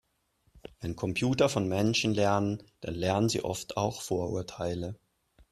Wenn Computer von Menschen lernen, dann lernen sie oft auch Vorurteile.